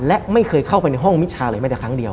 และไม่เคยเข้าไปในห้องมิชาเลยแม้แต่ครั้งเดียว